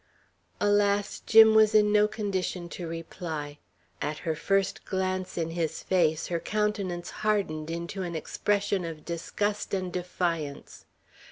Alas, Jim was in no condition to reply. At her first glance in his face, her countenance hardened into an expression of disgust and defiance.